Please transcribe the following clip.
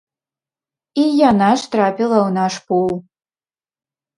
І яна ж трапіла ў наш пул.